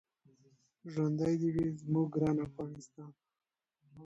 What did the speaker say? ژوندی دې وي زموږ ګران افغانستان.